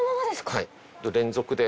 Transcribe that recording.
はい連続で。